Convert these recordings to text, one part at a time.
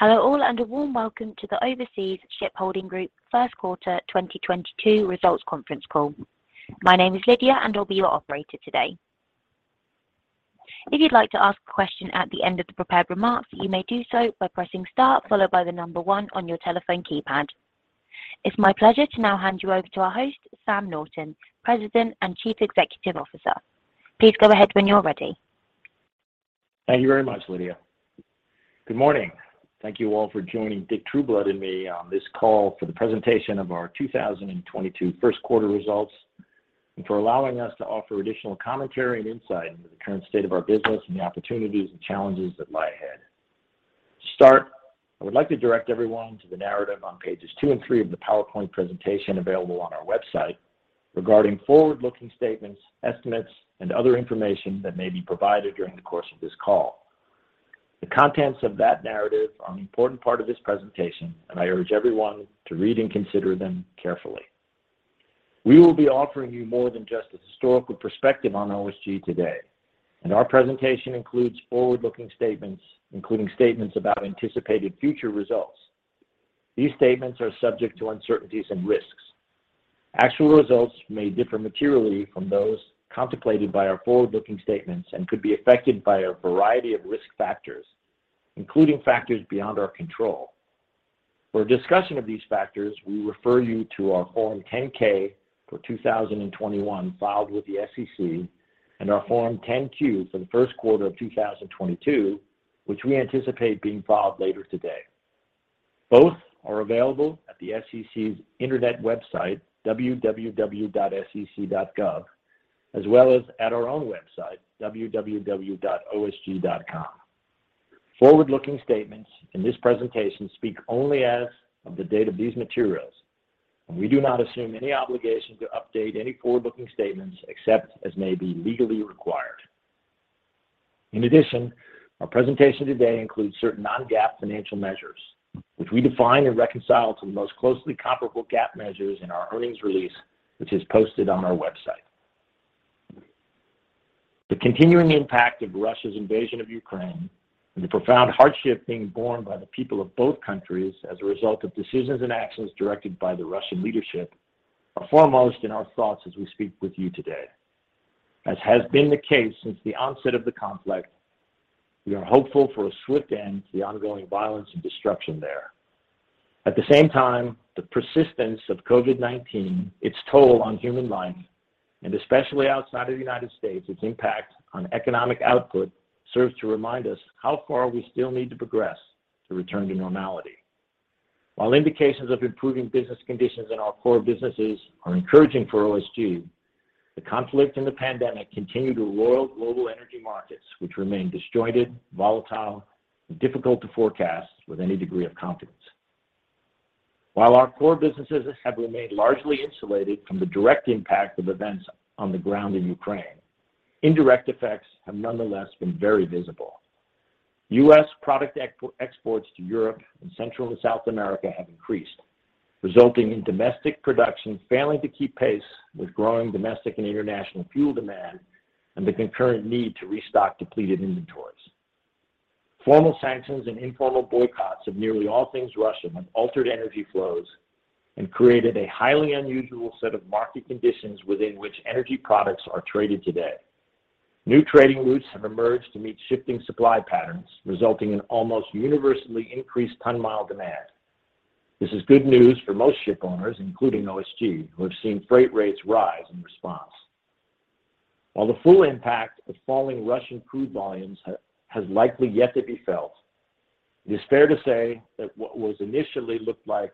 Hello all, and a warm welcome to the Overseas Shipholding Group first quarter 2022 results conference call. My name is Lydia, and I'll be your operator today. If you'd like to ask a question at the end of the prepared remarks, you may do so by pressing star followed by the number one on your telephone keypad. It's my pleasure to now hand you over to our host, Sam Norton, President and Chief Executive Officer. Please go ahead when you're ready. Thank you very much, Lydia. Good morning. Thank you all for joining Dick Trueblood and me on this call for the presentation of our 2022 first quarter results, and for allowing us to offer additional commentary and insight into the current state of our business and the opportunities and challenges that lie ahead. To start, I would like to direct everyone to the narrative on pages 2 and 3 of the PowerPoint presentation available on our website regarding forward-looking statements, estimates, and other information that may be provided during the course of this call. The contents of that narrative are an important part of this presentation, and I urge everyone to read and consider them carefully. We will be offering you more than just a historical perspective on OSG today, and our presentation includes forward-looking statements, including statements about anticipated future results. These statements are subject to uncertainties and risks. Actual results may differ materially from those contemplated by our forward-looking statements and could be affected by a variety of risk factors, including factors beyond our control. For a discussion of these factors, we refer you to our Form 10-K for 2021 filed with the SEC and our Form 10-Q for the first quarter of 2022, which we anticipate being filed later today. Both are available at the SEC's Internet website, www.sec.gov, as well as at our own website, www.osg.com. Forward-looking statements in this presentation speak only as of the date of these materials, and we do not assume any obligation to update any forward-looking statements except as may be legally required. In addition, our presentation today includes certain non-GAAP financial measures, which we define and reconcile to the most closely comparable GAAP measures in our earnings release, which is posted on our website. The continuing impact of Russia's invasion of Ukraine and the profound hardship being borne by the people of both countries as a result of decisions and actions directed by the Russian leadership are foremost in our thoughts as we speak with you today. As has been the case since the onset of the conflict, we are hopeful for a swift end to the ongoing violence and destruction there. At the same time, the persistence of COVID-19, its toll on human life, and especially outside of the United States, its impact on economic output serves to remind us how far we still need to progress to return to normality. While indications of improving business conditions in our core businesses are encouraging for OSG, the conflict and the pandemic continue to roil global energy markets, which remain disjointed, volatile, and difficult to forecast with any degree of confidence. While our core businesses have remained largely insulated from the direct impact of events on the ground in Ukraine, indirect effects have nonetheless been very visible. U.S. product exports to Europe and Central and South America have increased, resulting in domestic production failing to keep pace with growing domestic and international fuel demand and the concurrent need to restock depleted inventories. Formal sanctions and informal boycotts of nearly all things Russian have altered energy flows and created a highly unusual set of market conditions within which energy products are traded today. New trading routes have emerged to meet shifting supply patterns, resulting in almost universally increased ton-mile demand. This is good news for most shipowners, including OSG, who have seen freight rates rise in response. While the full impact of falling Russian crude volumes has likely yet to be felt, it is fair to say that what was initially looked like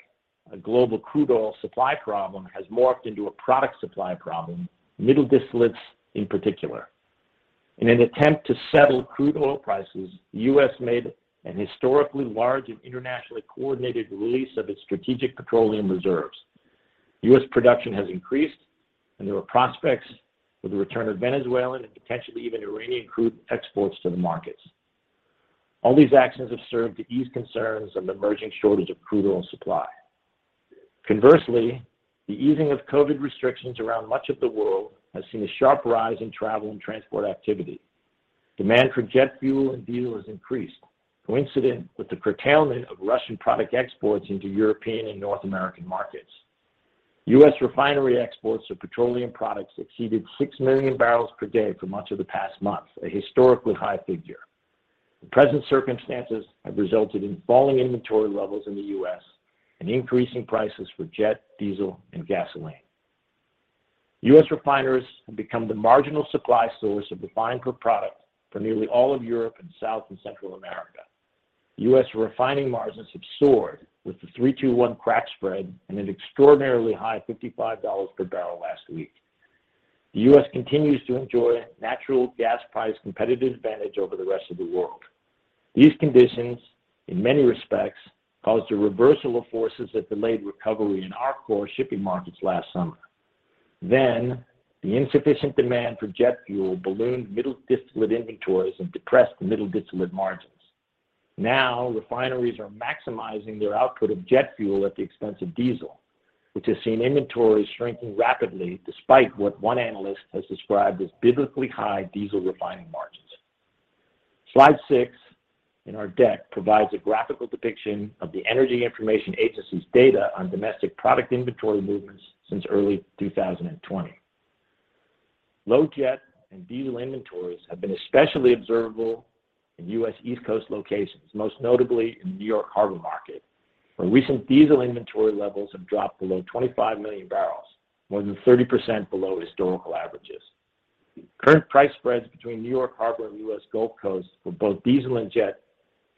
a global crude oil supply problem has morphed into a product supply problem, middle distillates in particular. In an attempt to settle crude oil prices, the U.S. made an historically large and internationally coordinated release of its Strategic Petroleum Reserve. U.S. production has increased, and there are prospects for the return of Venezuelan and potentially even Iranian crude exports to the markets. All these actions have served to ease concerns of an emerging shortage of crude oil supply. Conversely, the easing of COVID restrictions around much of the world has seen a sharp rise in travel and transport activity. Demand for jet fuel and diesel has increased, coincident with the curtailment of Russian product exports into European and North American markets. U.S. refinery exports of petroleum products exceeded 6 million barrels per day for much of the past month, a historically high figure. The present circumstances have resulted in falling inventory levels in the U.S. and increasing prices for jet, diesel, and gasoline. U.S. refiners have become the marginal supply source of refined fuel products for nearly all of Europe and South and Central America. U.S. refining margins have soared, with the 3-2-1 crack spread at an extraordinarily high $55 per barrel last week. The U.S. continues to enjoy a natural gas price competitive advantage over the rest of the world. These conditions, in many respects, caused a reversal of forces that delayed recovery in our core shipping markets last summer. The insufficient demand for jet fuel ballooned middle distillate inventories and depressed middle distillate margins. Now, refineries are maximizing their output of jet fuel at the expense of diesel, which has seen inventories shrinking rapidly despite what one analyst has described as biblically high diesel refining margins. Slide 6 in our deck provides a graphical depiction of the Energy Information Administration's data on domestic product inventory movements since early 2020. Low jet and diesel inventories have been especially observable in U.S. East Coast locations, most notably in New York Harbor Market, where recent diesel inventory levels have dropped below 25 million barrels, more than 30% below historical averages. The current price spreads between New York Harbor and U.S. Gulf Coast for both diesel and jet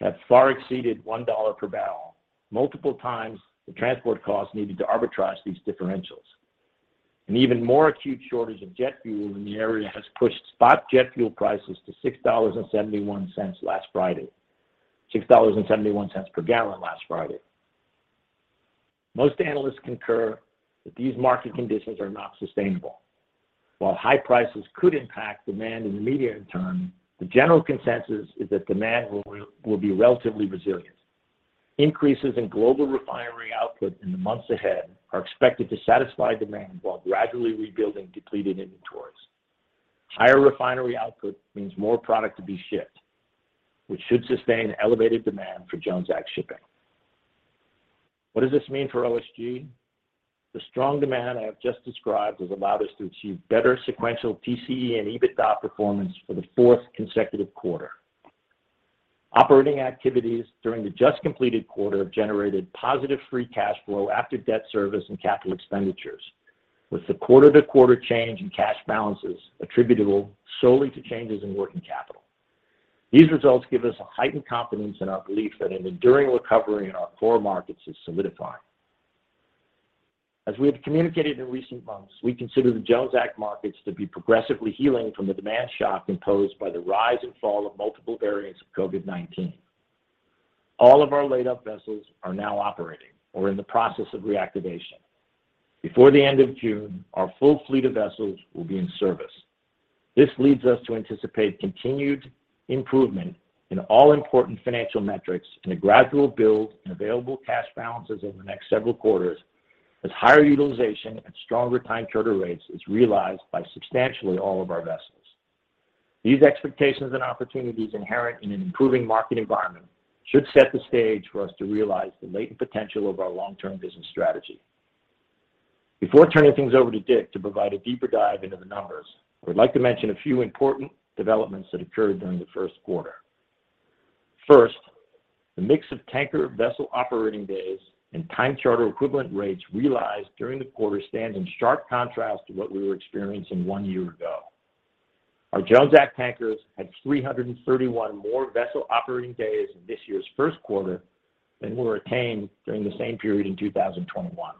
have far exceeded $1 per barrel, multiple times the transport costs needed to arbitrage these differentials. An even more acute shortage of jet fuel in the area has pushed spot jet fuel prices to $6.71 last Friday, $6.71 per gallon last Friday. Most analysts concur that these market conditions are not sustainable. While high prices could impact demand in the immediate term, the general consensus is that demand will be relatively resilient. Increases in global refinery output in the months ahead are expected to satisfy demand while gradually rebuilding depleted inventories. Higher refinery output means more product to be shipped, which should sustain elevated demand for Jones Act shipping. What does this mean for OSG? The strong demand I have just described has allowed us to achieve better sequential TCE and EBITDA performance for the fourth consecutive quarter. Operating activities during the just-completed quarter have generated positive free cash flow after debt service and capital expenditures, with the quarter-to-quarter change in cash balances attributable solely to changes in working capital. These results give us a heightened confidence in our belief that an enduring recovery in our core markets is solidifying. As we have communicated in recent months, we consider the Jones Act markets to be progressively healing from the demand shock imposed by the rise and fall of multiple variants of COVID-19. All of our laid-up vessels are now operating or in the process of reactivation. Before the end of June, our full fleet of vessels will be in service. This leads us to anticipate continued improvement in all important financial metrics and a gradual build in available cash balances over the next several quarters as higher utilization and stronger time charter rates is realized by substantially all of our vessels. These expectations and opportunities inherent in an improving market environment should set the stage for us to realize the latent potential of our long-term business strategy. Before turning things over to Dick to provide a deeper dive into the numbers, I would like to mention a few important developments that occurred during the first quarter. First, the mix of tanker vessel operating days and time charter equivalent rates realized during the quarter stands in sharp contrast to what we were experiencing one year ago. Our Jones Act tankers had 331 more vessel operating days in this year's first quarter than were attained during the same period in 2021.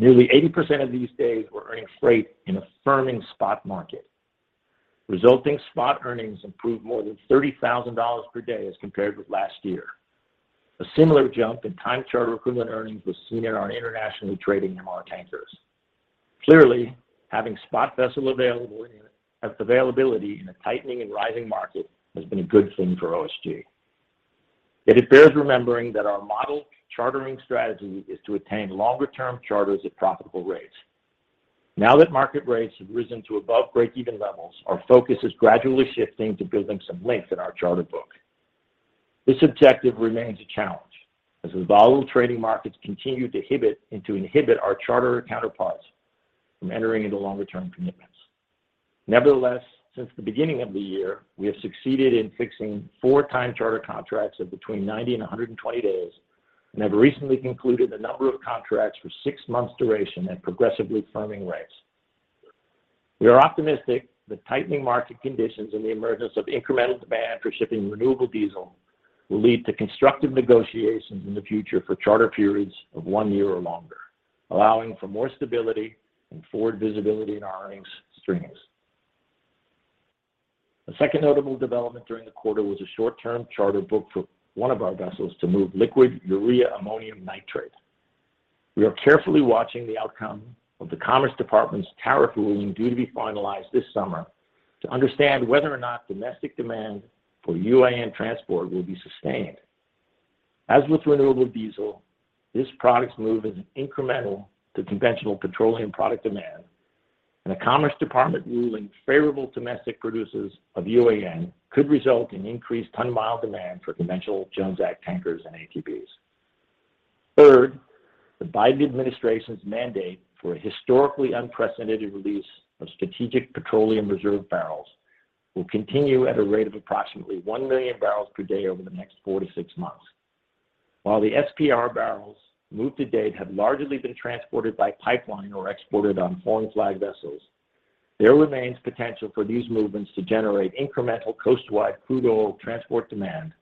Nearly 80% of these days were earning freight in a firming spot market. Resulting spot earnings improved more than $30,000 per day as compared with last year. A similar jump in time charter equivalent earnings was seen in our internationally trading MR tankers. Clearly, having spot vessel availability in a tightening and rising market has been a good thing for OSG. Yet it bears remembering that our model chartering strategy is to attain longer-term charters at profitable rates. Now that market rates have risen to above breakeven levels, our focus is gradually shifting to building some length in our charter book. This objective remains a challenge as the volatile trading markets continue to inhibit our charter counterparts from entering into longer-term commitments. Nevertheless, since the beginning of the year, we have succeeded in fixing four time charter contracts of between 90 and 120 days and have recently concluded a number of contracts for six months duration at progressively firming rates. We are optimistic that tightening market conditions and the emergence of incremental demand for shipping renewable diesel will lead to constructive negotiations in the future for charter periods of one year or longer, allowing for more stability and forward visibility in our earnings streams. The second notable development during the quarter was a short-term charter booking for one of our vessels to move liquid urea ammonium nitrate. We are carefully watching the outcome of the Commerce Department's tariff ruling due to be finalized this summer to understand whether or not domestic demand for UAN transport will be sustained. As with renewable diesel, this product's move is incremental to conventional petroleum product demand, and a Commerce Department ruling favorable to domestic producers of UAN could result in increased ton mile demand for conventional Jones Act tankers and ATBs. Third, the Biden administration's mandate for a historically unprecedented release of strategic petroleum reserve barrels will continue at a rate of approximately 1 million barrels per day over the next 4-6 months. While the SPR barrels moved to date have largely been transported by pipeline or exported on foreign flag vessels, there remains potential for these movements to generate incremental coast-wide crude oil transport demand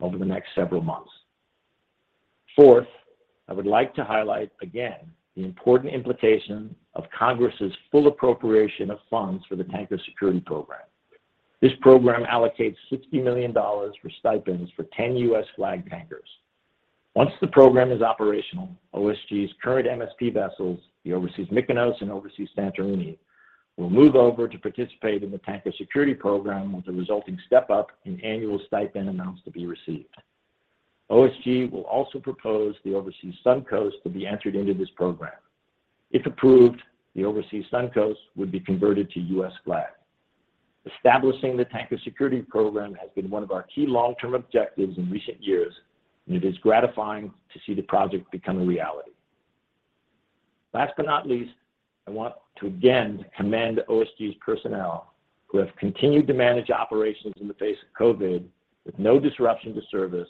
over the next several months. Fourth, I would like to highlight again the important implication of Congress's full appropriation of funds for the Tanker Security Program. This program allocates $60 million for stipends for 10 U.S. flag tankers. Once the program is operational, OSG's current MSP vessels, the Overseas Mykonos and Overseas Santorini. We'll move over to participate in the Tanker Security Program with the resulting step up in annual stipend amounts to be received. OSG will also propose the Overseas Sun Coast to be entered into this program. If approved, the Overseas Sun Coast would be converted to U.S. flag. Establishing the Tanker Security Program has been one of our key long-term objectives in recent years, and it is gratifying to see the project become a reality. Last but not least, I want to again commend OSG's personnel who have continued to manage operations in the face of COVID with no disruption to service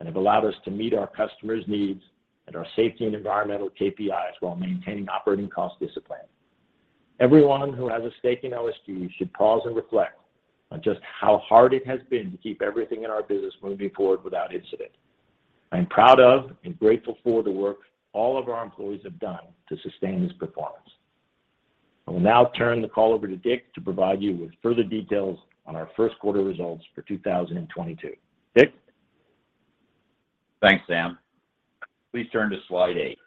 and have allowed us to meet our customers' needs and our safety and environmental KPIs while maintaining operating cost discipline. Everyone who has a stake in OSG should pause and reflect on just how hard it has been to keep everything in our business moving forward without incident. I am proud of and grateful for the work all of our employees have done to sustain this performance. I will now turn the call over to Dick to provide you with further details on our first quarter results for 2022. Dick? Thanks, Sam. Please turn to slide 8.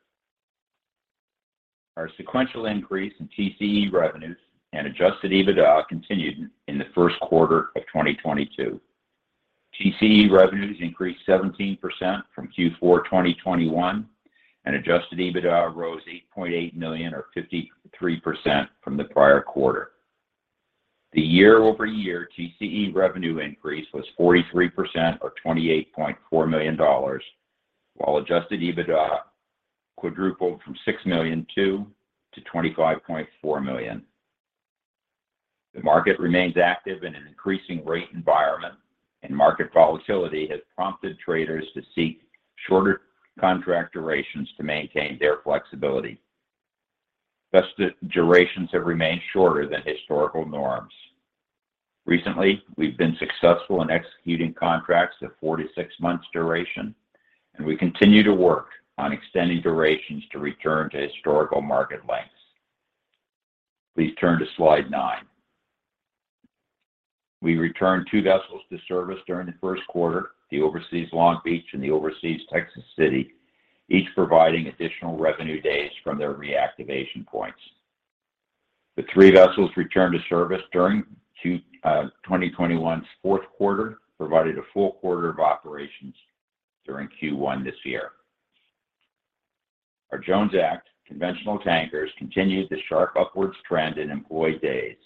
Our sequential increase in TCE revenues and Adjusted EBITDA continued in the first quarter of 2022. TCE revenues increased 17% from Q4 2021, and Adjusted EBITDA rose $8.8 million or 53% from the prior quarter. The year-over-year TCE revenue increase was 43% or $28.4 million, while Adjusted EBITDA quadrupled from $6.2 million to $25.4 million. The market remains active in an increasing rate environment, and market volatility has prompted traders to seek shorter contract durations to maintain their flexibility. Thus, the durations have remained shorter than historical norms. Recently, we've been successful in executing contracts of four to six months duration, and we continue to work on extending durations to return to historical market lengths. Please turn to slide 9. We returned two vessels to service during the first quarter, the Overseas Long Beach and the Overseas Texas City, each providing additional revenue days from their reactivation points. The three vessels returned to service during 2021's fourth quarter provided a full quarter of operations during Q1 this year. Our Jones Act conventional tankers continued the sharp upwards trend in employed days.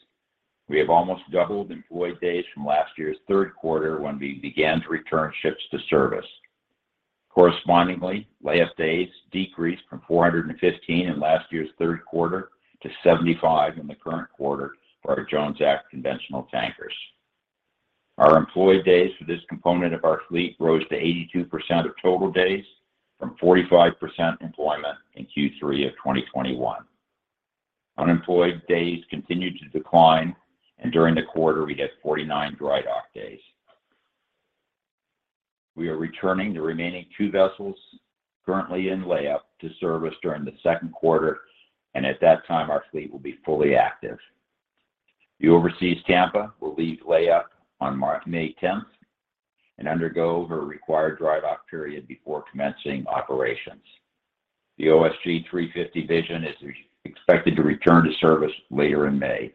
We have almost doubled employed days from last year's third quarter when we began to return ships to service. Correspondingly, layup days decreased from 415 in last year's third quarter to 75 in the current quarter for our Jones Act conventional tankers. Our employed days for this component of our fleet rose to 82% of total days from 45% employment in Q3 of 2021. Unemployed days continued to decline, and during the quarter, we had 49 dry dock days. We are returning the remaining two vessels currently in layup to service during the second quarter, and at that time our fleet will be fully active. The Overseas Tampa will leave layup on May 10th and undergo her required dry dock period before commencing operations. The OSG 350 Vision is expected to return to service later in May.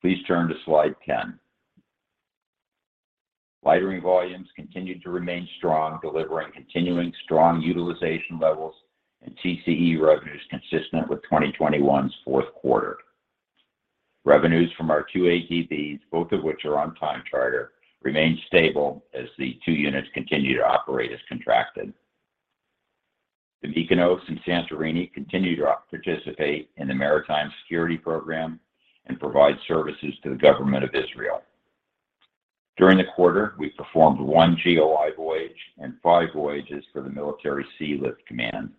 Please turn to slide 10. Lightering volumes continued to remain strong, delivering continuing strong utilization levels and TCE revenues consistent with 2021's fourth quarter. Revenues from our two ATBs, both of which are on time charter, remained stable as the two units continue to operate as contracted. The Mykonos and Santorini continue to participate in the Maritime Security Program and provide services to the government of Israel. During the quarter, we performed 1 GOI voyage and 5 voyages for the Military Sealift Command.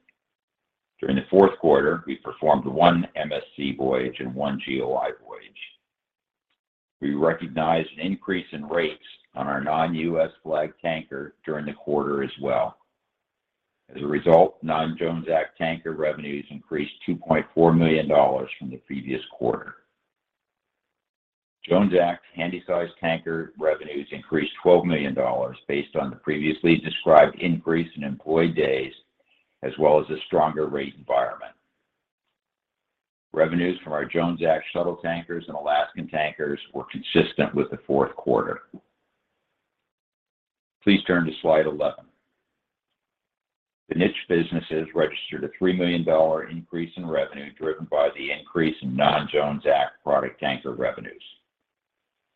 During the fourth quarter, we performed one MSC voyage and one GOI voyage. We recognized an increase in rates on our non-U.S. flag tanker during the quarter as well. As a result, non-Jones Act tanker revenues increased $2.4 million from the previous quarter. Jones Act handysize tanker revenues increased $12 million based on the previously described increase in employed days as well as a stronger rate environment. Revenues from our Jones Act shuttle tankers and Alaskan tankers were consistent with the fourth quarter. Please turn to slide 11. The niche businesses registered a $3 million increase in revenue driven by the increase in non-Jones Act product tanker revenues.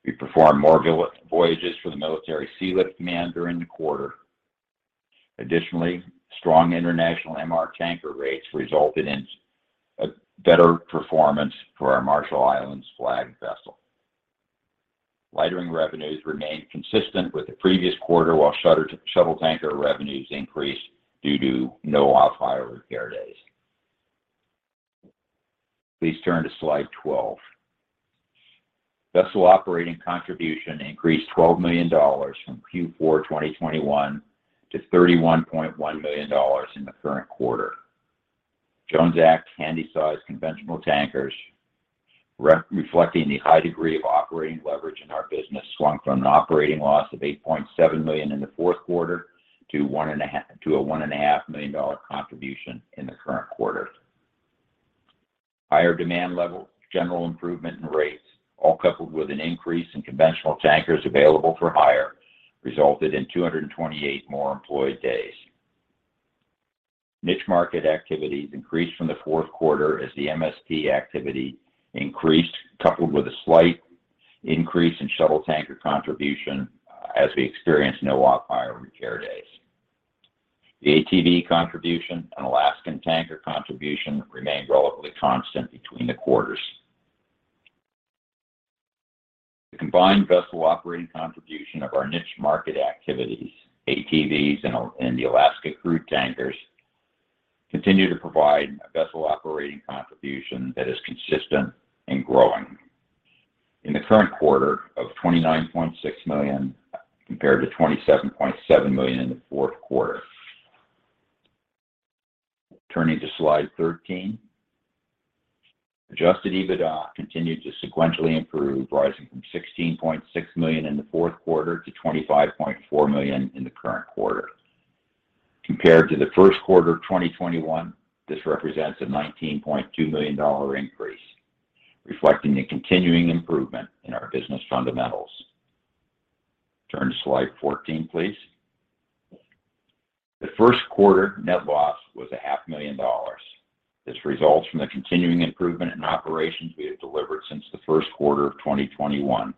We performed more voyages for the Military Sealift Command during the quarter. Additionally, strong international MR tanker rates resulted in a better performance for our Marshall Islands flagged vessel. Lightering revenues remained consistent with the previous quarter while shuttle tanker revenues increased due to no off-hire repair days. Please turn to slide 12. Vessel operating contribution increased $12 million from Q4 2021 to $31.1 million in the current quarter. Jones Act handy-sized conventional tankers reflecting the high degree of operating leverage in our business swung from an operating loss of $8.7 million in the fourth quarter to a $1.5 million dollar contribution in the current quarter. Higher demand level, general improvement in rates, all coupled with an increase in conventional tankers available for hire, resulted in 228 more employed days. Niche market activities increased from the fourth quarter as the MSP activity increased, coupled with a slight increase in shuttle tanker contribution as we experienced no off-hire repair days. The ATB contribution and Alaskan tanker contribution remained relatively constant between the quarters. The combined vessel operating contribution of our niche market activities, ATBs and the Alaska crude tankers, continues to provide a vessel operating contribution that is consistent and growing. In the current quarter of $29.6 million compared to $27.7 million in the fourth quarter. Turning to slide 13. Adjusted EBITDA continued to sequentially improve, rising from $16.6 million in the fourth quarter to $25.4 million in the current quarter. Compared to the first quarter of 2021, this represents a $19.2 million increase, reflecting the continuing improvement in our business fundamentals. Turn to slide 14, please. The first quarter net loss was a $500,000. This results from the continuing improvement in operations we have delivered since the first quarter of 2021.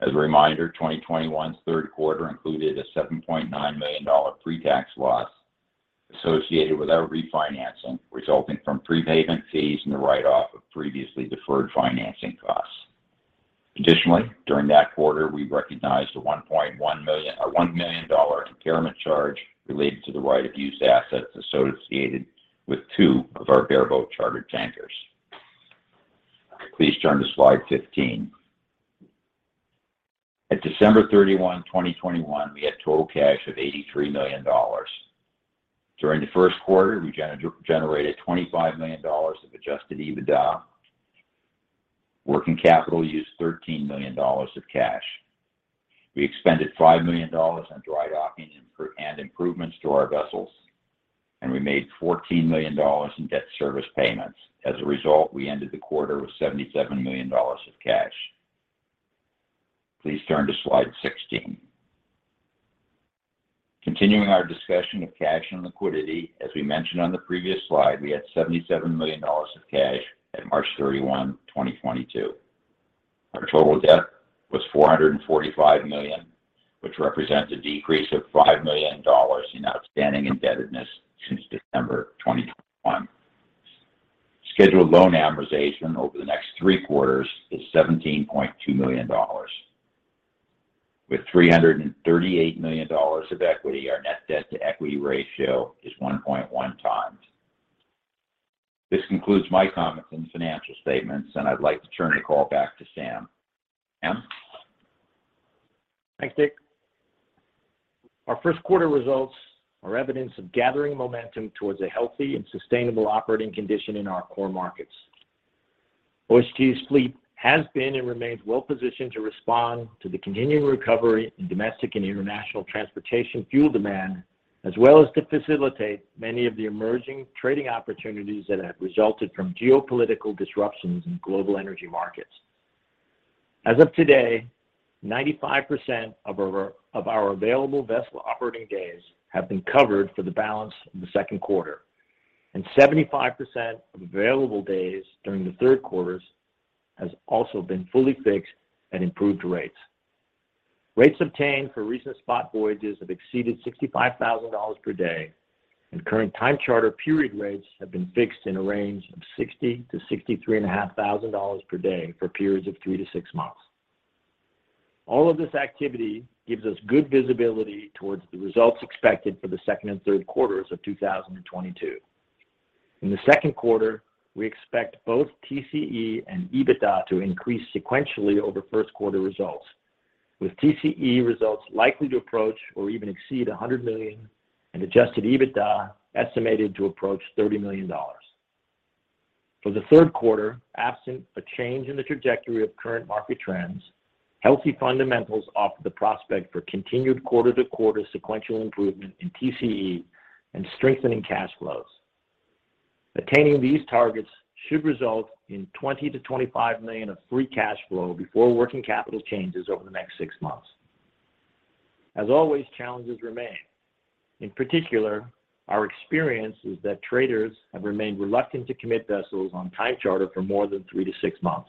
As a reminder, 2021's third quarter included a $7.9 million pre-tax loss associated with our refinancing, resulting from prepayment fees and the write-off of previously deferred financing costs. Additionally, during that quarter, we recognized a $1.1 million or $1 million impairment charge related to the write-off of used assets associated with two of our bareboat chartered tankers. Please turn to slide 15. At December 31, 2021, we had total cash of $83 million. During the first quarter, we generated $25 million of Adjusted EBITDA. Working capital used $13 million of cash. We expended $5 million on dry docking and improvements to our vessels, and we made $14 million in debt service payments. As a result, we ended the quarter with $77 million of cash. Please turn to slide 16. Continuing our discussion of cash and liquidity, as we mentioned on the previous slide, we had $77 million of cash at March 31, 2022. Our total debt was $445 million, which represents a decrease of $5 million in outstanding indebtedness since December 2021. Scheduled loan amortization over the next three quarters is $17.2 million. With $338 million of equity, our net debt-to-equity ratio is 1.1x. This concludes my comments on the financial statements, and I'd like to turn the call back to Sam. Sam? Thanks, Dick. Our first quarter results are evidence of gathering momentum towards a healthy and sustainable operating condition in our core markets. OSG's fleet has been and remains well-positioned to respond to the continuing recovery in domestic and international transportation fuel demand, as well as to facilitate many of the emerging trading opportunities that have resulted from geopolitical disruptions in global energy markets. As of today, 95% of our available vessel operating days have been covered for the balance of the second quarter, and 75% of available days during the third quarter has also been fully fixed at improved rates. Rates obtained for recent spot voyages have exceeded $65,000 per day, and current time charter period rates have been fixed in a range of $60,000-$63,500 per day for periods of 3-6 months. All of this activity gives us good visibility towards the results expected for the second and third quarters of 2022. In the second quarter, we expect both TCE and EBITDA to increase sequentially over first quarter results, with TCE results likely to approach or even exceed $100 million and Adjusted EBITDA estimated to approach $30 million. For the third quarter, absent a change in the trajectory of current market trends, healthy fundamentals offer the prospect for continued quarter-to-quarter sequential improvement in TCE and strengthening cash flows. Attaining these targets should result in $20 million-$25 million of free cash flow before working capital changes over the next six months. As always, challenges remain. In particular, our experience is that traders have remained reluctant to commit vessels on time charter for more than three to six months.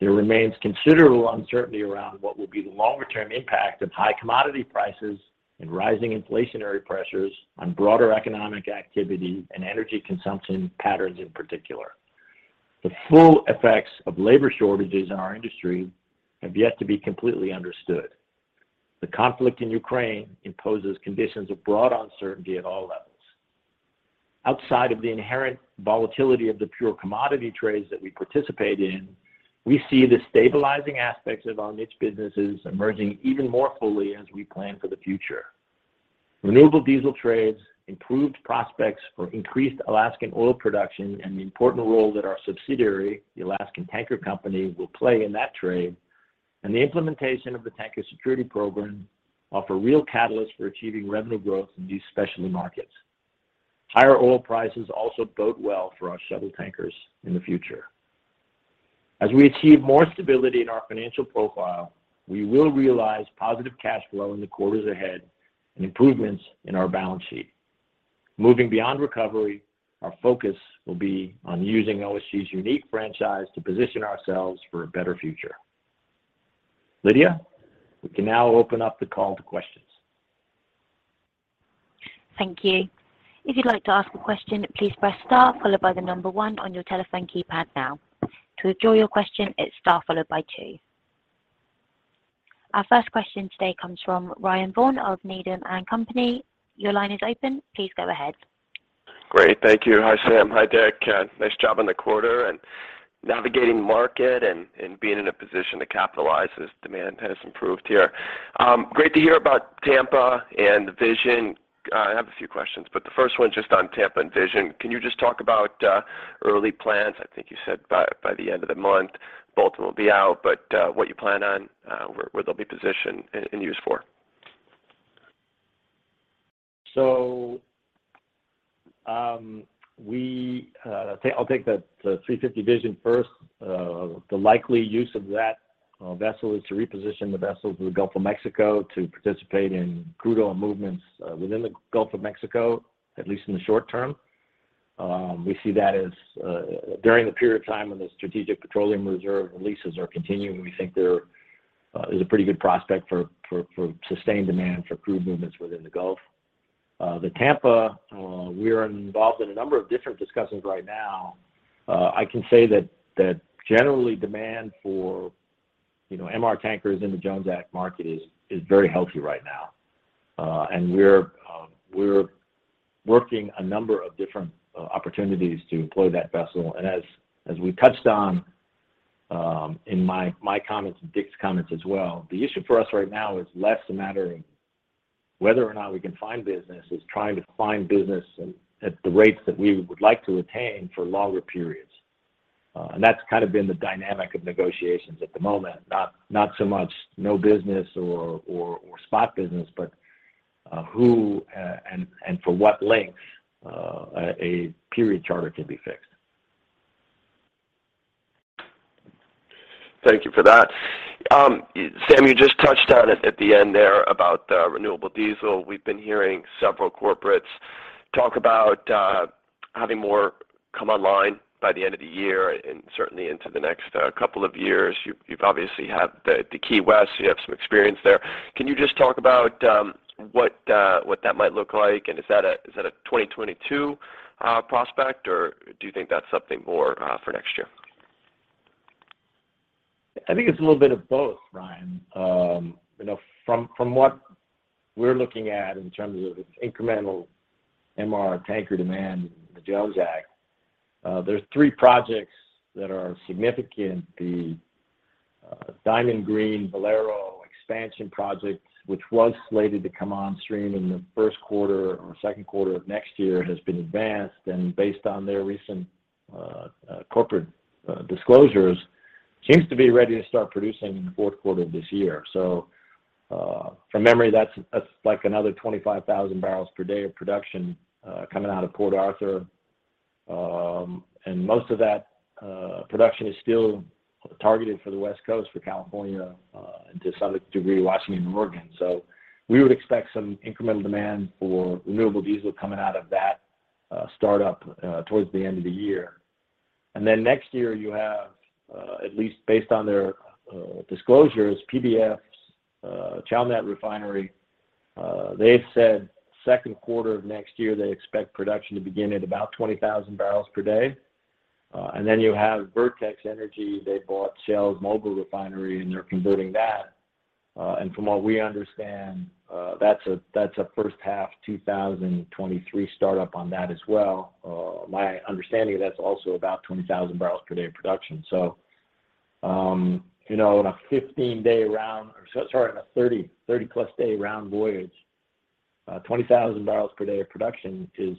There remains considerable uncertainty around what will be the longer-term impact of high commodity prices and rising inflationary pressures on broader economic activity and energy consumption patterns in particular. The full effects of labor shortages in our industry have yet to be completely understood. The conflict in Ukraine imposes conditions of broad uncertainty at all levels. Outside of the inherent volatility of the pure commodity trades that we participate in, we see the stabilizing aspects of our niche businesses emerging even more fully as we plan for the future. Renewable diesel trades, improved prospects for increased Alaskan oil production, and the important role that our subsidiary, the Alaska Tanker Company, will play in that trade, and the implementation of the Tanker Security Program offer real catalysts for achieving revenue growth in these specialty markets. Higher oil prices also bode well for our shuttle tankers in the future. As we achieve more stability in our financial profile, we will realize positive cash flow in the quarters ahead and improvements in our balance sheet. Moving beyond recovery, our focus will be on using OSG's unique franchise to position ourselves for a better future. Lydia, we can now open up the call to questions. Thank you. If you'd like to ask a question, please press star followed by the number one on your telephone keypad now. To withdraw your question, it's star followed by two. Our first question today comes from Ryan Vaughan of Needham & Company. Your line is open. Please go ahead. Great. Thank you. Hi, Sam. Hi, Dick. Nice job on the quarter and navigating the market and being in a position to capitalize as demand has improved here. Great to hear about Tampa and the Vision. I have a few questions, but the first one just on Tampa and Vision. Can you just talk about early plans? I think you said by the end of the month both will be out, but what you plan on where they'll be positioned and used for? I'll take the 350 Vision first. The likely use of that vessel is to reposition the vessel to the Gulf of Mexico to participate in crude oil movements within the Gulf of Mexico, at least in the short term. We see that as during the period of time when the Strategic Petroleum Reserve leases are continuing. We think there is a pretty good prospect for sustained demand for crude movements within the Gulf. The Overseas Tampa, we're involved in a number of different discussions right now. I can say that generally demand for, you know, MR tankers in the Jones Act market is very healthy right now. We're working a number of different opportunities to employ that vessel. As we touched on in my comments and Dick's comments as well, the issue for us right now is less a matter of whether or not we can find business, it's trying to find business and at the rates that we would like to attain for longer periods. That's kind of been the dynamic of negotiations at the moment, not so much no business or spot business, but who and for what length a period charter can be fixed. Thank you for that. Sam, you just touched on it at the end there about renewable diesel. We've been hearing several corporates talk about having more come online by the end of the year and certainly into the next couple of years. You've obviously had the Overseas Key West, you have some experience there. Can you just talk about what that might look like, and is that a 2022 prospect, or do you think that's something more for next year? I think it's a little bit of both, Ryan. You know, from what we're looking at in terms of incremental MR tanker demand in the Jones Act, there's three projects that are significant. The Diamond Green Diesel expansion project, which was slated to come on stream in the first quarter or second quarter of next year, has been advanced and based on their recent corporate disclosures, seems to be ready to start producing in the fourth quarter of this year. From memory, that's like another 25,000 barrels per day of production coming out of Port Arthur. Most of that production is still targeted for the West Coast, for California, and to some degree, Washington and Oregon. We would expect some incremental demand for renewable diesel coming out of that, startup, towards the end of the year. Then next year, you have, at least based on their, disclosures, PBF Energy's, Chalmette Refinery, they've said second quarter of next year, they expect production to begin at about 20,000 barrels per day. Then you have Vertex Energy, they bought Shell's Mobile, Alabama refinery, and they're converting that. From what we understand, that's a first half 2023 startup on that as well. My understanding, that's also about 20,000 barrels per day of production. In a 30+ day round voyage, 20,000 barrels per day of production is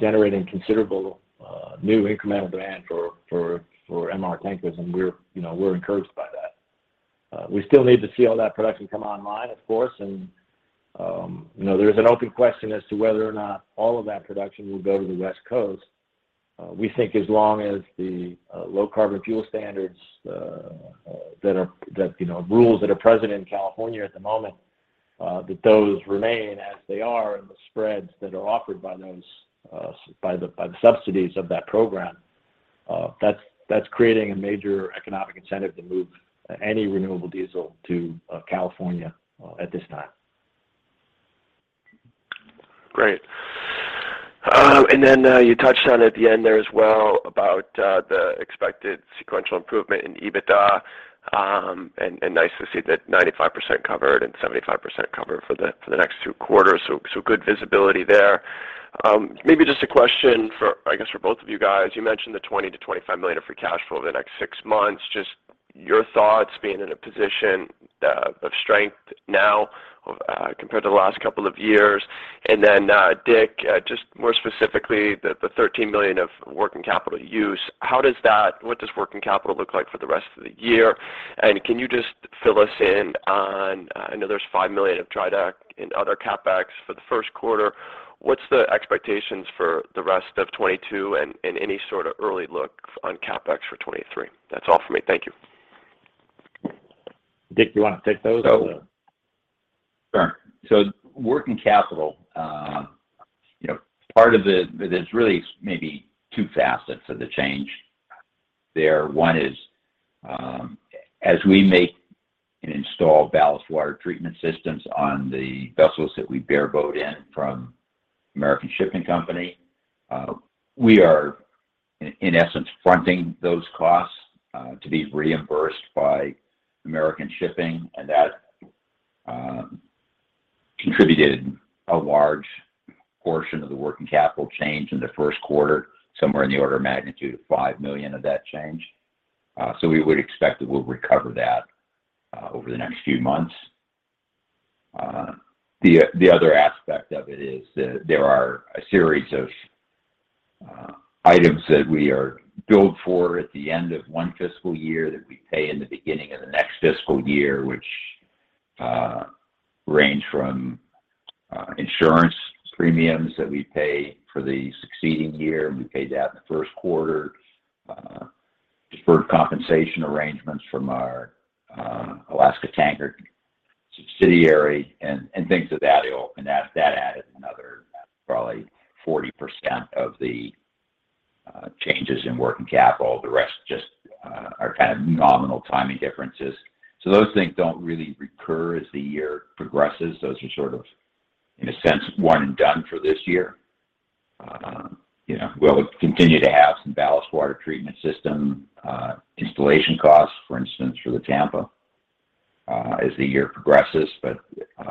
generating considerable new incremental demand for MR tankers, and we're encouraged by that. We still need to see all that production come online, of course. There's an open question as to whether or not all of that production will go to the West Coast. We think as long as the Low Carbon Fuel Standards that are, you know, rules that are present in California at the moment remain as they are and the spreads that are offered by those by the subsidies of that program, that's creating a major economic incentive to move any renewable diesel to California at this time. Great. You touched on at the end there as well about the expected sequential improvement in EBITDA, and nice to see that 95% covered and 75% covered for the next two quarters. So good visibility there. Maybe just a question for, I guess, for both of you guys. You mentioned the $20 million-$25 million of free cash flow over the next six months. Just your thoughts being in a position of strength now, compared to the last couple of years. Dick, just more specifically the $13 million of working capital use, how does that? What does working capital look like for the rest of the year? Can you just fill us in on, I know there's $5 million of dry dock and other CapEx for the first quarter. What's the expectations for the rest of 2022 and any sort of early look on CapEx for 2023? That's all for me. Thank you. Dick, you wanna take those or? Sure. Working capital, you know, part of it, there's really maybe two facets of the change there. One is, as we make and install ballast water treatment systems on the vessels that we bareboat in from American Shipping Company, we are in essence fronting those costs to be reimbursed by American Shipping, and that contributed a large portion of the working capital change in the first quarter, somewhere in the order of magnitude of $5 million of that change. We would expect that we'll recover that over the next few months. The other aspect of it is that there are a series of items that we are billed for at the end of one fiscal year that we pay in the beginning of the next fiscal year, range from insurance premiums that we pay for the succeeding year, and we paid that in the first quarter. Deferred compensation arrangements from our Alaska Tanker subsidiary and things of that ilk. That added another probably 40% of the changes in working capital. The rest just are kind of nominal timing differences. Those things don't really recur as the year progresses. Those are sort of, in a sense, one and done for this year. You know, we'll continue to have some ballast water treatment system installation costs, for instance, for the Tampa, as the year progresses.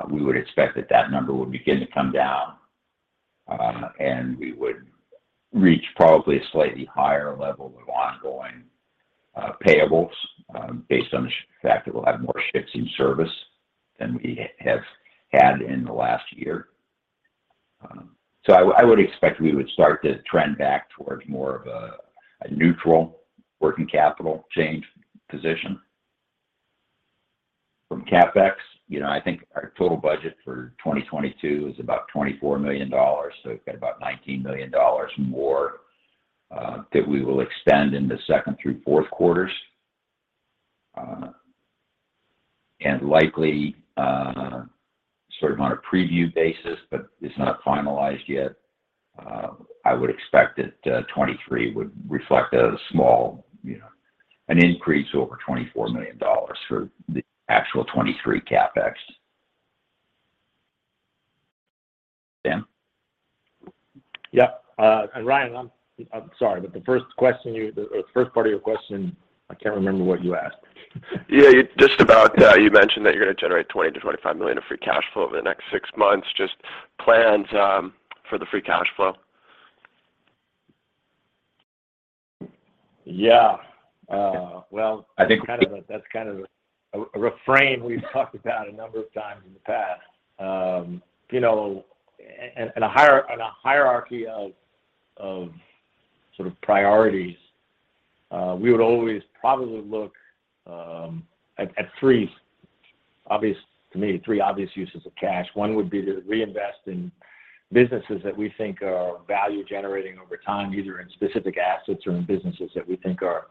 We would expect that that number would begin to come down, and we would reach probably a slightly higher level of ongoing payables, based on the fact that we'll have more ships in service than we have had in the last year. I would expect we would start to trend back towards more of a neutral working capital change position. From CapEx, you know, I think our total budget for 2022 is about $24 million, so we've got about $19 million more that we will extend into second through fourth quarters. Likely, sort of on a preview basis, but it's not finalized yet, I would expect that 2023 would reflect a small, you know, an increase over $24 million for the actual 2023 CapEx. Sam? Yeah, Ryan, I'm sorry, but the first question or the first part of your question, I can't remember what you asked. Yeah, just about, you mentioned that you're gonna generate $20 million-$25 million of free cash flow over the next six months. Just plans, for the free cash flow. Yeah. Well, I think. That's kind of a refrain we've talked about a number of times in the past. You know, and a hierarchy of sort of priorities, we would always probably look at three obvious, to me, uses of cash. One would be to reinvest in businesses that we think are value generating over time, either in specific assets or in businesses that we think are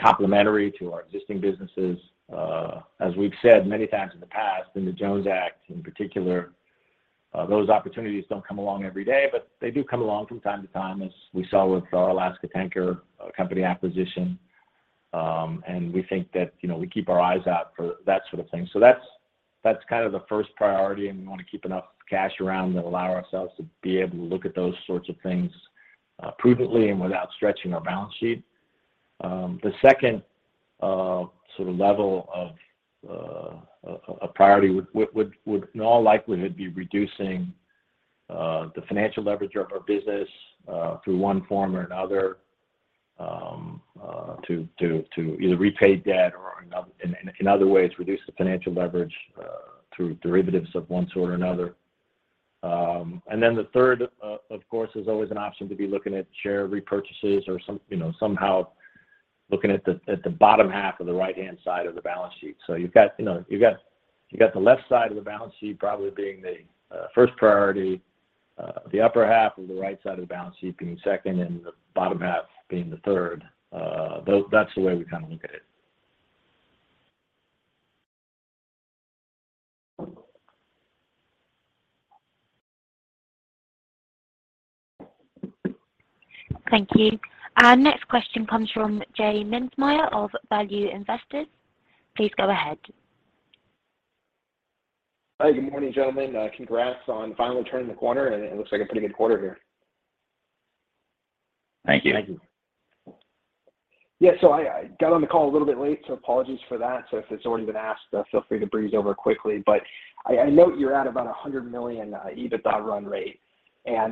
complementary to our existing businesses. As we've said many times in the past, in the Jones Act in particular, those opportunities don't come along every day, but they do come along from time to time, as we saw with our Alaska Tanker Company acquisition. We think that, you know, we keep our eyes out for that sort of thing. That's kind of the first priority, and we want to keep enough cash around that allow ourselves to be able to look at those sorts of things prudently and without stretching our balance sheet. The second sort of level of a priority would in all likelihood be reducing the financial leverage of our business through one form or another to either repay debt or in other ways reduce the financial leverage through derivatives of one sort or another. The third of course is always an option to be looking at share repurchases or some you know somehow looking at the bottom half of the right-hand side of the balance sheet. You've got, you know, the left side of the balance sheet probably being the first priority, the upper half of the right side of the balance sheet being second, and the bottom half being the third. That's the way we kind of look at it. Thank you. Our next question comes from J Mintzmyer of Value Investor's Edge. Please go ahead. Hi. Good morning, gentlemen. Congrats on finally turning the corner, and it looks like a pretty good quarter here. Thank you. Thank you. Yeah, I got on the call a little bit late, so apologies for that. If it's already been asked, feel free to breeze over quickly. I note you're at about $100 million EBITDA run rate.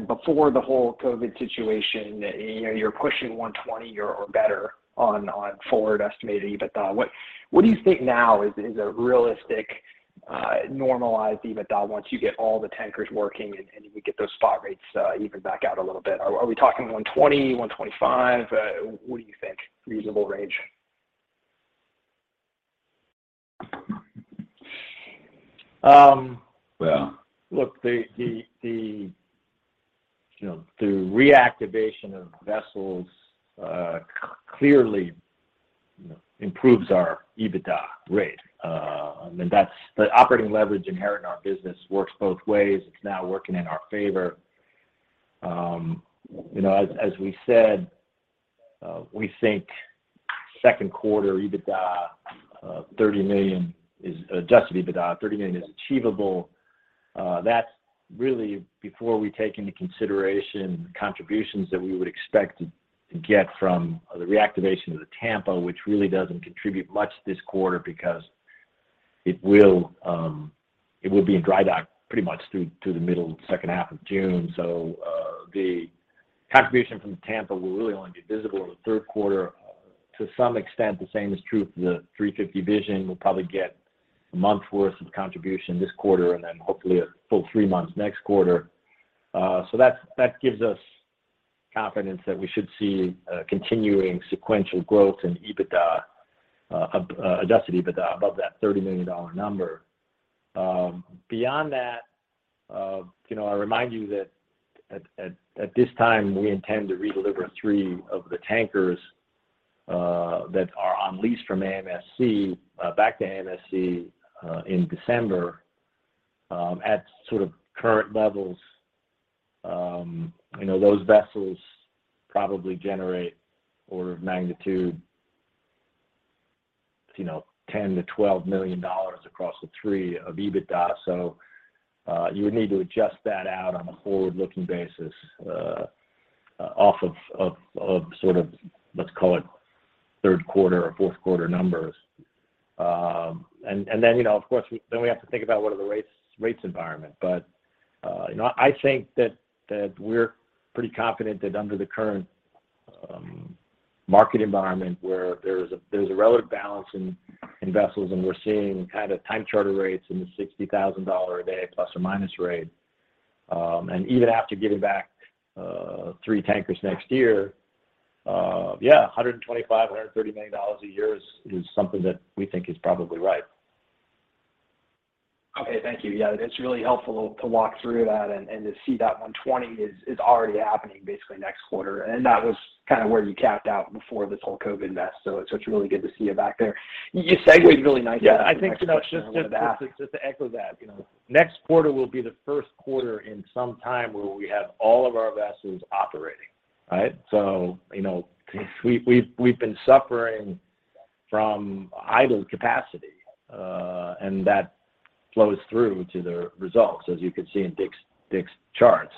Before the whole COVID situation, you know, you're pushing $120 or better on forward estimated EBITDA. What do you think now is a realistic normalized EBITDA once you get all the tankers working and we get those spot rates even back out a little bit? Are we talking 120, 125? What do you think reasonable range? Well, look, the reactivation of vessels clearly, you know, improves our EBITDA rate. That's the operating leverage inherent in our business. It works both ways. It's now working in our favor. You know, as we said, we think second quarter Adjusted EBITDA $30 million is achievable. That's really before we take into consideration contributions that we would expect to get from the reactivation of the Tampa, which really doesn't contribute much this quarter because it will be in dry dock pretty much through to the middle of the second half of June. The contribution from the Tampa will really only be visible in the third quarter. To some extent, the same is true for the 350 Vision. We'll probably get a month worth of contribution this quarter and then hopefully a full three months next quarter. That gives us confidence that we should see continuing sequential growth in EBITDA, Adjusted EBITDA above that $30 million number. Beyond that, you know, I remind you that at this time, we intend to redeliver three of the tankers that are on lease from AMSC back to AMSC in December. At sort of current levels, you know, those vessels probably generate order of magnitude, you know, $10-$12 million across the three of EBITDA. You would need to adjust that out on a forward-looking basis off of sort of, let's call it, third quarter or fourth quarter numbers. You know, of course, then we have to think about what the rates environment. You know, I think that we're pretty confident that under the current market environment where there's a relative balance in vessels, and we're seeing kind of time charter rates in the $60,000 a day plus or minus rate, and even after giving back 3 tankers next year, yeah, $125-$130 million a year is something that we think is probably right. Okay. Thank you. Yeah. That's really helpful to walk through that and to see that $120 is already happening basically next quarter. That was kind of where you capped out before this whole COVID mess, so it's really good to see you back there. You segued really nicely into the next question I wanted to ask. Yeah. I think, you know, just to echo that, you know, next quarter will be the first quarter in some time where we have all of our vessels operating, right? You know, we've been suffering from idle capacity, and that flows through to the results as you can see in Dick's charts.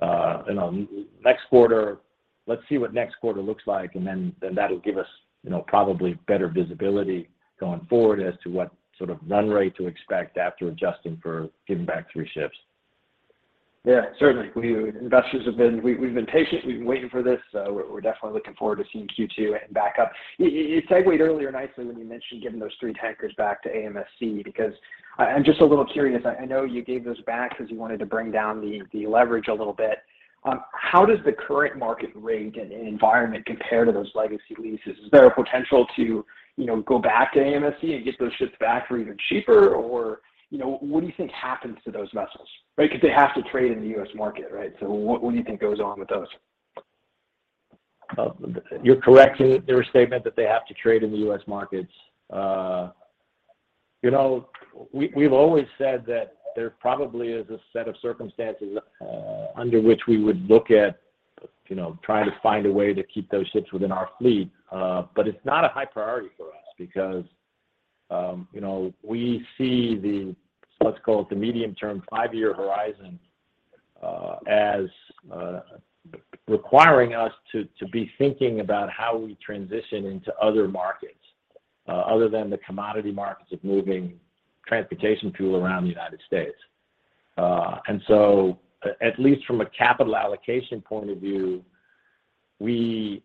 You know, next quarter, let's see what next quarter looks like, and then that'll give us, you know, probably better visibility going forward as to what sort of run rate to expect after adjusting for giving back three ships. Yeah. Certainly. We investors have been patient. We've been waiting for this, so we're definitely looking forward to seeing Q2 and back up. You segued earlier nicely when you mentioned giving those three tankers back to AMSC because I'm just a little curious. I know you gave those back because you wanted to bring down the leverage a little bit. How does the current market rate and environment compare to those legacy leases? Is there a potential to, you know, go back to AMSC and get those ships back for even cheaper? Or, you know, what do you think happens to those vessels? Right? Because they have to trade in the U.S. market, right? What do you think goes on with those? You're correct in your statement that they have to trade in the U.S. markets. You know, we've always said that there probably is a set of circumstances, under which we would look at, you know, trying to find a way to keep those ships within our fleet. It's not a high priority for us because, you know, we see the, let's call it the medium-term five-year horizon, as, requiring us to be thinking about how we transition into other markets, other than the commodity markets of moving transportation fuel around the United States. At least from a capital allocation point of view, we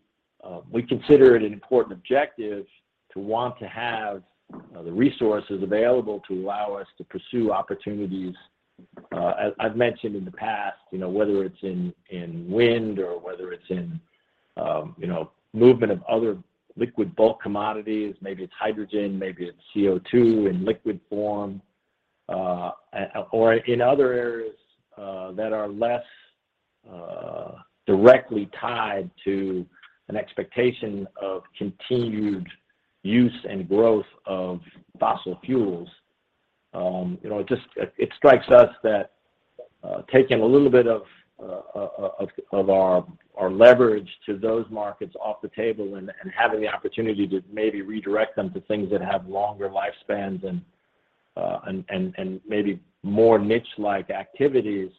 consider it an important objective to want to have, you know, the resources available to allow us to pursue opportunities, as I've mentioned in the past, you know, whether it's in wind or whether it's in, you know, movement of other liquid bulk commodities, maybe it's hydrogen, maybe it's CO2 in liquid form, or in other areas that are less directly tied to an expectation of continued use and growth of fossil fuels. You know, it strikes us that taking a little bit of our leverage to those markets off the table and having the opportunity to maybe redirect them to things that have longer lifespans and maybe more niche-like activities,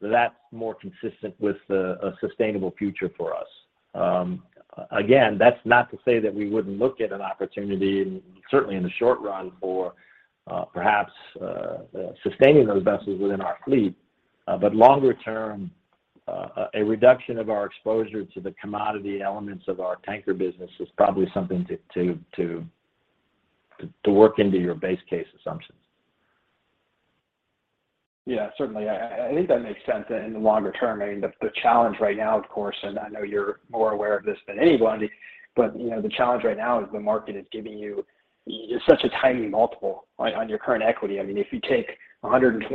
that's more consistent with a sustainable future for us. Again, that's not to say that we wouldn't look at an opportunity, and certainly in the short run for perhaps sustaining those vessels within our fleet. But longer term, a reduction of our exposure to the commodity elements of our tanker business is probably something to work into your base case assumptions. Yeah, certainly. I think that makes sense in the longer term. I mean, the challenge right now, of course, and I know you're more aware of this than anybody, but you know, the challenge right now is the market is giving you just such a tiny multiple on your current equity. I mean, if you take $125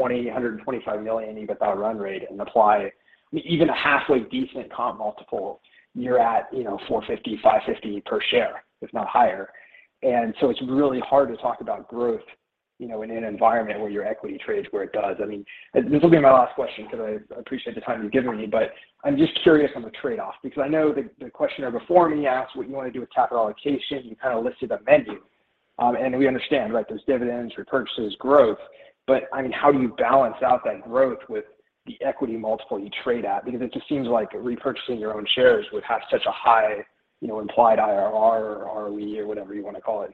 million EBITDA run rate and apply even a halfway decent comp multiple, you're at, you know, $4.50-$5.50 per share, if not higher. It's really hard to talk about growth, you know, in an environment where your equity trades where it does. I mean, this will be my last question because I appreciate the time you've given me, but I'm just curious on the trade-off because I know the questioner before me asked what you wanna do with capital allocation. You kind of listed a menu. We understand, right, there's dividends, repurchases, growth, but I mean, how do you balance out that growth with the equity multiple you trade at? Because it just seems like repurchasing your own shares would have such a high, you know, implied IRR or ROE or whatever you wanna call it.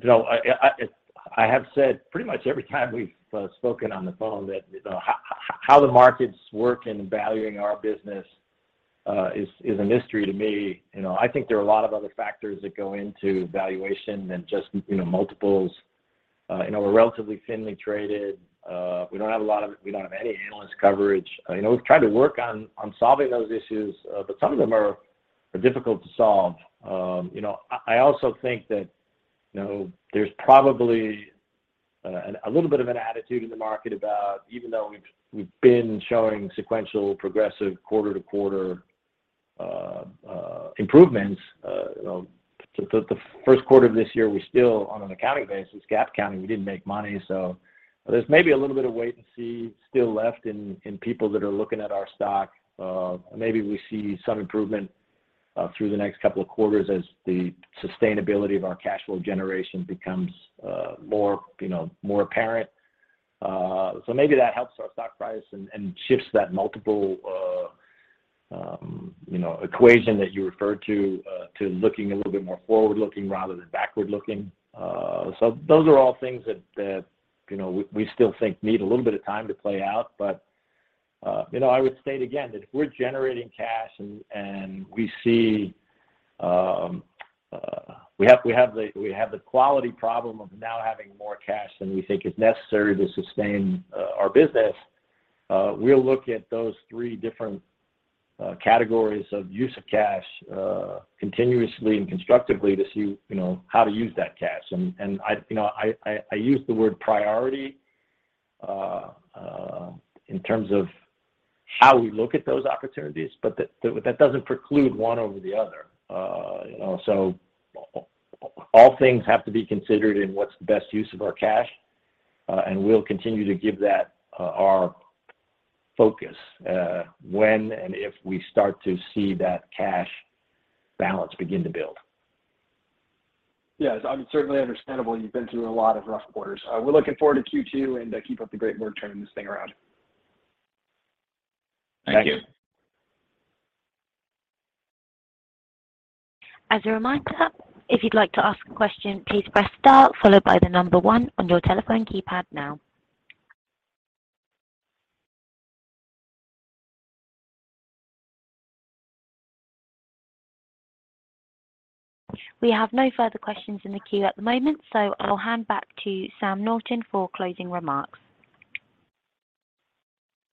You know, I have said pretty much every time we've spoken on the phone that, you know, how the markets work in valuing our business is a mystery to me. You know, I think there are a lot of other factors that go into valuation than just, you know, multiples. You know, we're relatively thinly traded. We don't have any analyst coverage. You know, we've tried to work on solving those issues, but some of them are difficult to solve. You know, I also think that, you know, there's probably a little bit of an attitude in the market about even though we've been showing sequential progressive quarter-to-quarter improvements, you know, the first quarter of this year, we still on an accounting basis, GAAP accounting, we didn't make money. There's maybe a little bit of wait and see still left in people that are looking at our stock. Maybe we see some improvement through the next couple of quarters as the sustainability of our cash flow generation becomes more, you know, more apparent. Maybe that helps our stock price and shifts that multiple, you know, equation that you referred to to looking a little bit more forward-looking rather than backward-looking. Those are all things that you know we still think need a little bit of time to play out. You know I would state again that if we're generating cash and we see we have the quality problem of now having more cash than we think is necessary to sustain our business we'll look at those three different categories of use of cash continuously and constructively to see you know how to use that cash. I you know I use the word priority in terms of how we look at those opportunities but that doesn't preclude one over the other. You know, all things have to be considered in what's the best use of our cash, and we'll continue to give that our focus when and if we start to see that cash balance begin to build. Yes, I mean, certainly understandable. You've been through a lot of rough quarters. We're looking forward to Q2, and keep up the great work turning this thing around. Thank you. As a reminder, if you'd like to ask a question, please press star followed by the number one on your telephone keypad now. We have no further questions in the queue at the moment, so I'll hand back to Sam Norton for closing remarks.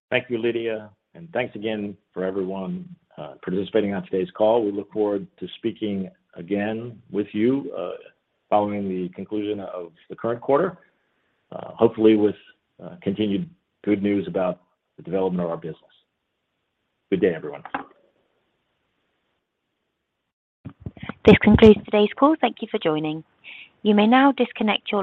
Thank you, Lydia. Thanks again for everyone participating on today's call. We look forward to speaking again with you following the conclusion of the current quarter, hopefully with continued good news about the development of our business. Good day, everyone. This concludes today's call. Thank you for joining. You may now disconnect your-